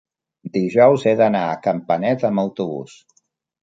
Dijous he d'anar a Campanet amb autobús.